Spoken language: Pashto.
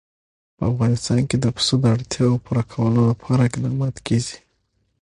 په افغانستان کې د پسه د اړتیاوو پوره کولو لپاره اقدامات کېږي.